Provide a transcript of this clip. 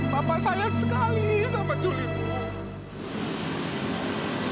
bapak sayang sekali sama juli bu